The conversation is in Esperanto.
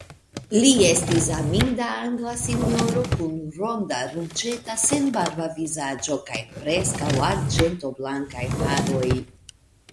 Li estis aminda angla sinjoro kun ronda, ruĝeta, senbarba vizaĝo kaj preskaŭ arĝentoblankaj haroj.